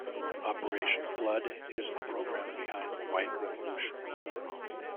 Operation Flood is the program behind the white revolution.